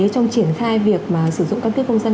trong triển khai việc mà sử dụng các cơ công dân